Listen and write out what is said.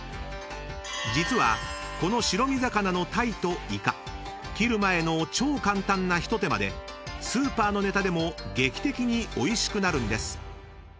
［実はこの白身魚のタイとイカ切る前の超簡単な一手間でスーパーのネタでも劇的においしくなるんです］